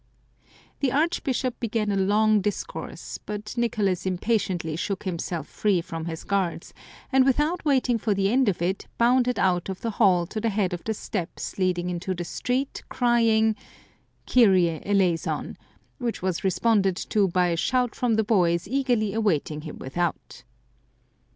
The archbishop began a long discourse, but Nicolas impatiently shook himself free from his guards, and without waiting for the end of it, bounded out of the hall to the head of the steps leading into the street, crying, " Kyrie eleison !" which was re sponded to by a shout from the boys eagerly awaiting him without.